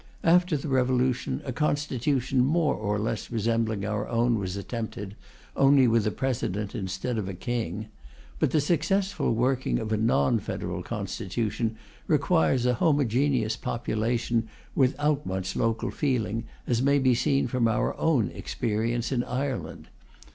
After the revolution, a constitution more or less resembling our own was attempted, only with a President instead of a King. But the successful working of a non federal constitution requires a homogeneous population without much local feeling, as may be seen from our own experience in Ireland.